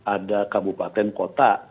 ada kabupaten kota